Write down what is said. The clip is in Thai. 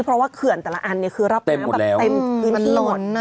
เพราะว่าเขื่อนแต่ละอันเนี่ยคือรับน้ำแบบเต็มหมดแล้วอืมมันร้อนอ่ะ